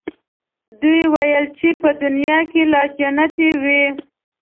دوی ویل چې په دنیا کې لا جنتیی وو.